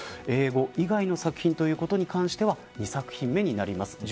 英語以外の作品ということに関しては２作品目になります。